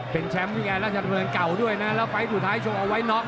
เป็นแชมป์พี่แง่ล่าชัดเผินเก่าด้วยน่ะแล้วไปสุดท้ายชมเอาไว้น๊อค